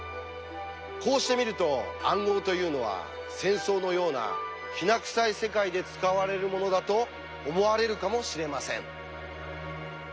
こうして見ると暗号というのは戦争のようなきな臭い世界で使われるものだと思われるかもしれません。